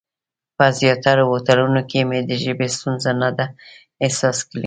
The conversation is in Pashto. په زیاترو هوټلونو کې مې د ژبې ستونزه نه ده احساس کړې.